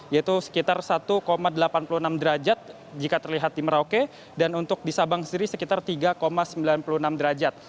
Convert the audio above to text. yaitu sekitar satu delapan puluh enam derajat jika terlihat di merauke dan untuk di sabang sendiri sekitar tiga sembilan puluh enam derajat